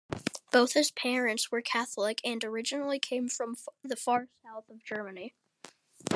Both his parents were Catholic and originally came from the far south of Germany.